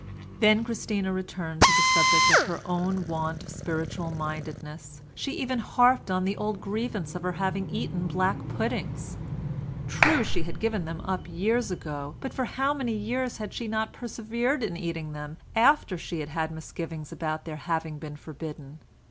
Then Christina returned to the subject of her own want of spiritual mindedness, she even harped upon the old grievance of her having eaten black puddings—true, she had given them up years ago, but for how many years had she not persevered in eating them after she had had misgivings about their having been forbidden!